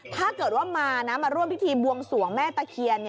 ถ้าเกิดว่ามานะมาร่วมพิธีบวงสวงแม่ตะเคียน